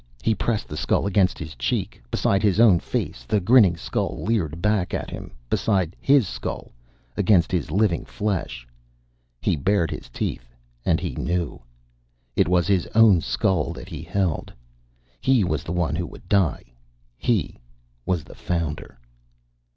He pressed the skull against his cheek. Beside his own face the grinning skull leered back at him, beside his skull, against his living flesh. He bared his teeth. And he knew. It was his own skull that he held. He was the one who would die. He was the Founder.